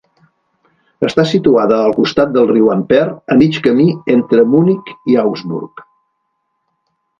Està situada al costat del riu Amper, a mig camí entre Munic i Augsburg.